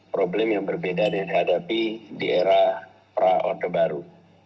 jadi kita harus mencari cara baru